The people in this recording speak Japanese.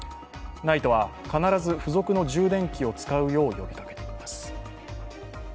ＮＩＴＥは必ず付属の充電器を使うよう呼びかけています。